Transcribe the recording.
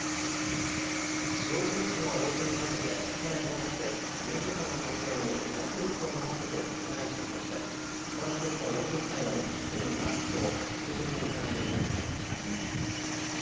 塩尻市の老人ホームで去年５月入所者の女性に薬物を飲ませて殺害したとして、この施設の４０歳の元職員がきょう殺人の疑いで逮捕されました。